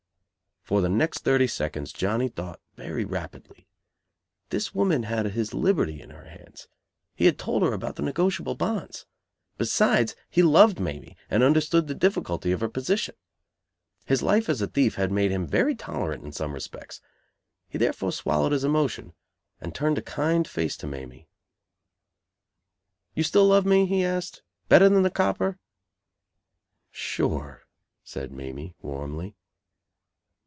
For the next thirty seconds Johnny thought very rapidly. This woman had his liberty in her hands. He had told her about the negotiable bonds. Besides, he loved Mamie and understood the difficulty of her position. His life as a thief had made him very tolerant in some respects. He therefore swallowed his emotion, and turned a kind face to Mamie. "You still love me?" he asked, "better than the copper?" "Sure," said Mamie, warmly.